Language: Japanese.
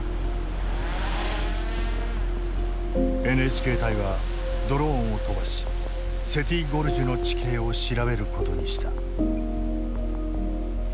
ＮＨＫ隊はドローンを飛ばしセティ・ゴルジュの地形を調べることにした。